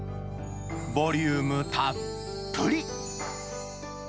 ボリュームたっぷり。